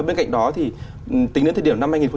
ở đó thì tính đến thời điểm năm hai nghìn một mươi tám